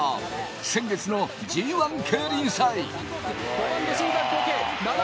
先月のＧ１競輪祭。